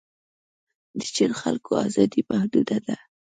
د چین خلکو ازادي محدوده ده.